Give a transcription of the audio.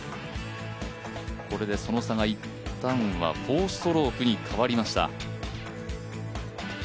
これでその差がいったんは４ストロークに変わりました。